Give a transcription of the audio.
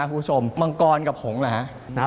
คุณผู้ชมมังกรกับผงเหรอฮะ